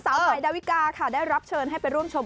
ใหม่ดาวิกาค่ะได้รับเชิญให้ไปร่วมชม